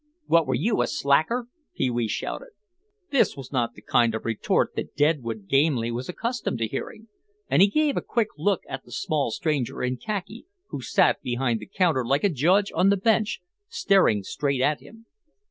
"What were you, a slacker?" Pee wee shouted. This was not the kind of retort that Deadwood Gamely was accustomed to hearing and he gave a quick look at the small stranger in khaki who sat behind the counter like a judge on the bench staring straight at him.